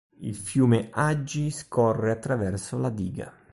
Il fiume Agi scorre attraverso la diga.